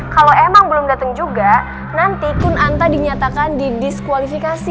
kalau emang belum datang juga nanti kunanta dinyatakan didiskualifikasi